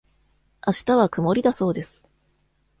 あしたは曇りだそうです。